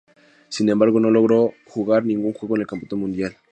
Sin embargo, no logró jugar ningún juego en el campeonato Mundial.